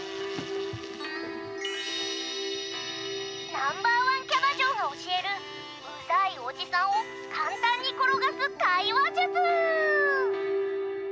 「ナンバーワンキャバ嬢が教えるうざいおじさんを簡単に転がす会話術！」。